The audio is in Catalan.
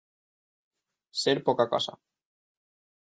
Ser poca cosa.